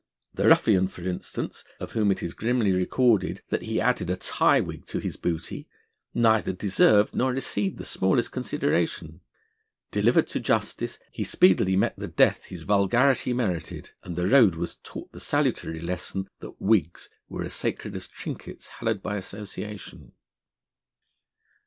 The ruffian, for instance, of whom it is grimly recorded that he added a tie wig to his booty, neither deserved nor received the smallest consideration. Delivered to justice, he speedily met the death his vulgarity merited, and the road was taught the salutary lesson that wigs were as sacred as trinkets hallowed by association.